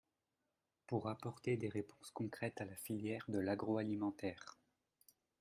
pour apporter des réponses concrètes à la filière de l’agroalimentaire